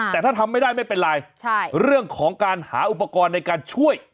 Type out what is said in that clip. แต่ถ้าทำไม่ได้ไม่เป็นไรเรื่องของการหาอุปกรณ์ในการช่วย